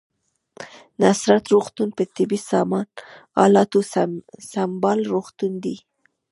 نصرت روغتون په طبي سامان الاتو سمبال روغتون دی